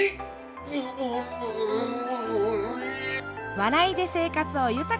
笑いで生活を豊かに。